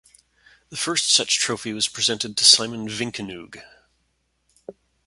The first such trophy was presented to Simon Vinkenoog.